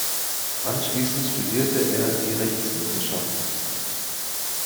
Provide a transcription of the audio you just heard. Anschließend studierte er die Rechtswissenschaften.